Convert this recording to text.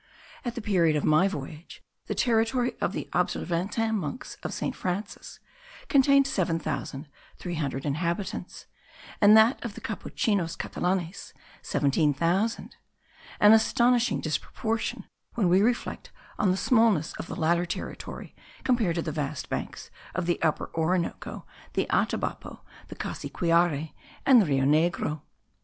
At the period of my voyage, the territory of the Observantin monks of St. Francis contained seven thousand three hundred inhabitants, and that of the Capuchinos Catalanes seventeen thousand; an astonishing disproportion, when we reflect on the smallness of the latter territory compared to the vast banks of the Upper Orinoco, the Atabapo, the Cassiquiare and the Rio Negro.